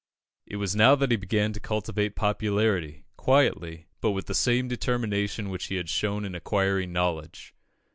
It was now that he began to cultivate popularity, quietly, but with the same determination which he had shown in acquiring knowledge.